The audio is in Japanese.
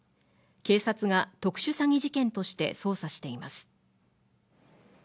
警察が特殊詐欺事件として捜査しています。